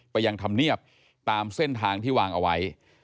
ไปยังธรรมเนียบตามเส้นทางที่วางเอาไว้